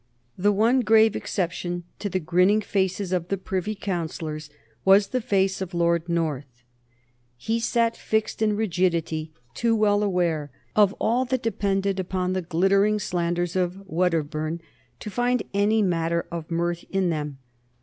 The one grave exception to the grinning faces of the Privy Councillors was the face of Lord North. He sat fixed in rigidity, too well aware of all that depended upon the glittering slanders of Wedderburn to find any matter of mirth in them.